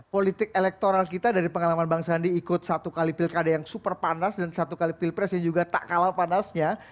politik elektoral kita dari pengalaman bang sandi ikut satu kali pilkada yang super panas dan satu kali pilpres yang juga tak kalah panasnya